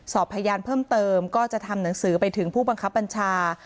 สอบพยานเพิ่มเติมก็จะทำหนังสือไปถึงผู้บังคับบัญชา